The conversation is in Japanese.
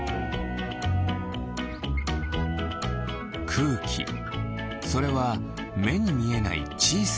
くうきそれはめにみえないちいさなぶんし。